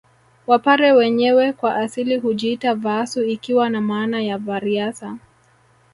Wapare wenyewe kwa asili hujiita Vaasu ikiwa na maana ya vareasa